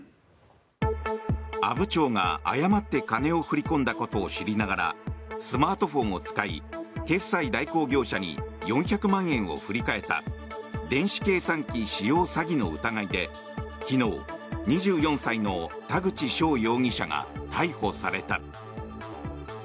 阿武町が誤って金を振り込んだことを知りながらスマートフォンを使い決済代行業者に４００万円を振り替えた電子計算機使用詐欺の疑いで昨日、２４歳の田口翔容疑者が逮捕された。